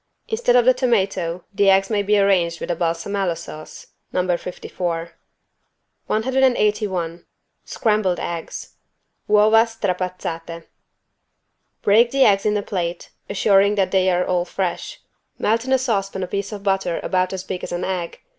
Instead of the tomato, the eggs may be arranged with a =balsamella= sauce (No. 54). 181 SCRAMBLED EGGS (Uova strapazzate) Break the eggs in a plate, assuring first that they are all fresh. Melt in a saucepan a piece of butter about as big as an egg.